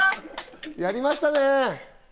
やりましたね。